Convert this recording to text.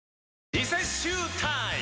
リセッシュータイム！